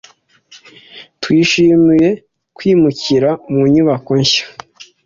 Twishimiye kwimukira mu nyubako nshya.